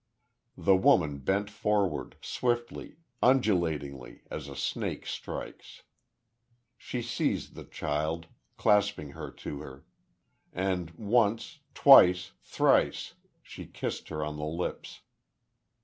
The woman bent forward, swiftly, undulatingly, as a snake strikes. She seized the child, clasping her to her. And once, twice, thrice, she kissed her, on the lips....